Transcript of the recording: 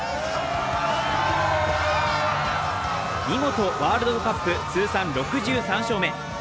見事、ワールドカップ通算６３勝目。